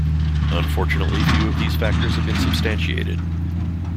Unfortunately few of these factors have been substantiated.